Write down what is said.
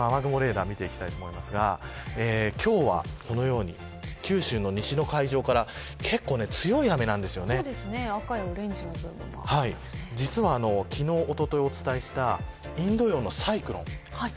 雨雲レーダー見ていきたいと思いますが今日はこのように九州の西の海上から赤やオレンジの部分が実は昨日、おとといお伝えしたインド洋のサイクロン。